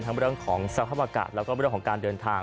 เรื่องของสภาพอากาศแล้วก็เรื่องของการเดินทาง